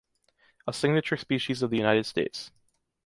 A signature species of the United States.